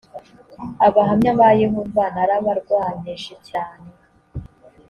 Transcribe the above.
abahamya ba yehova narabarwanyije cyane